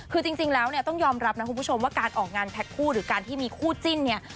คือจริงแล้วเนี่ยต้องยอมรับนะคุณผู้ชมว่าการออกงานแพ็คคู่หรือการที่มีคู่จิ้นเนี่ย